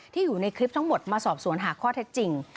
อยู่ในคลิปทั้งหมดมาสอบสวนหาข้อเท็จจริง